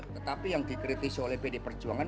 tetapi yang dikritisi oleh pd perjuangan